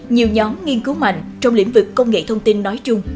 nhiều nhóm nghiên cứu mạnh trong lĩnh vực công nghệ thông tin nói chung